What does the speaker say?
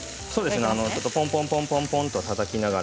ポンポンポンとたたきながら。